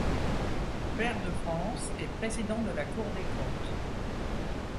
Pair de France et Président de la Cour des Comptes.